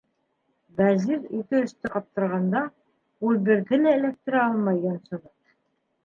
Вәзир ике-өстө ҡаптырғанда, ул берҙе лә эләктерә алмай йонсоно.